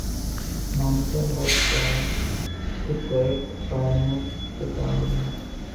Nanton was one of the great pioneers of the plunger mute.